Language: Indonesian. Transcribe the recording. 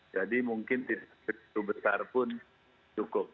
jadi mungkin titik titik itu besar pun cukup